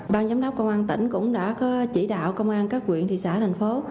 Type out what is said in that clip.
ban giám đốc công an tỉnh cũng đã có chỉ đạo công an các quyện thị xã thành phố